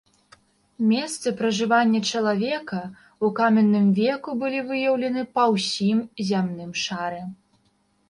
Месцы пражывання чалавека ў каменным веку былі выяўленыя па ўсім зямным шары.